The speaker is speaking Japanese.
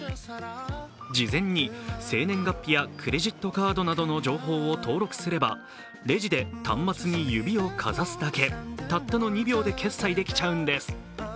事前に生年月日やクレジットカードなどの情報を登録すればレジで端末に指をかざすだけたったの２秒で決済できちゃうんです。